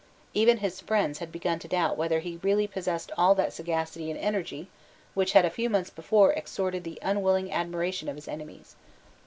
Even his friends had begun to doubt whether he really possessed all that sagacity and energy which had a few months before extorted the unwilling admiration of his enemies.